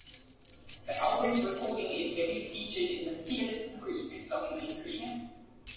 The album's recording is heavily featured in the "Fearless Freaks" documentary.